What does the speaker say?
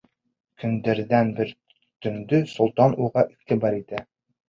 Көндәрҙән бер көндө солтан уға иғтибар итә.